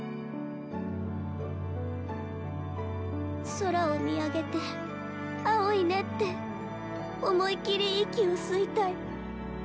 空を見上げて青いねって思い切り息を吸いたい。